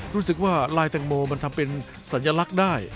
รู้สึกว่าลายแตงโมมันทำเป็นสัญลักษณ์ได้